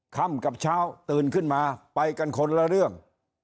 ค่ำกับเช้าตื่นขึ้นมาไปกันคนละเรื่อง